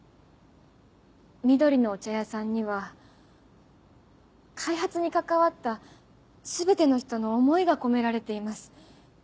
「緑のお茶屋さん」には開発に関わった全ての人の思いが込められています。